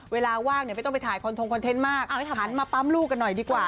เวลาว่างไม่ต้องไปถ่ายคอนโทนคอนเทนต์มากหันมาปั้มลูกกันหน่อยดีกว่า